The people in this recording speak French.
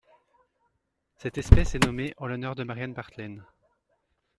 Cette espèce est nommée en l'honneur de Marianne Barthlen.